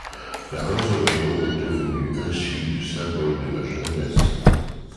La roseraie est devenue ainsi le symbole de la jeunesse.